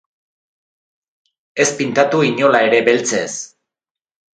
Ez pintatu inola ere beltzez.